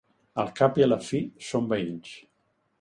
Al cap i a la fi, som veïns.